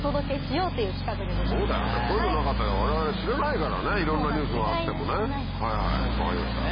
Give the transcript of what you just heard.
こういうのなかったら我々知らないからねいろんなニュースがあってもね。